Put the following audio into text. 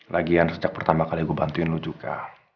lagian sejak pertama kali gue bantuin lo juga